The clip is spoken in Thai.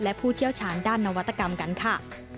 และผู้เชี่ยวชาญด้านนวัตกรรมกันค่ะ